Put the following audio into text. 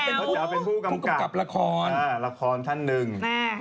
เขาจ๋าเป็นผู้กำกับละครละครท่านหนึ่ง